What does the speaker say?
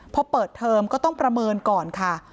พอเปิดเทอมก็ต้องประเมินก่อนค่ะ